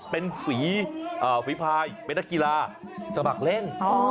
เป็นฝีภายเบนธกีฬาสบักเล่น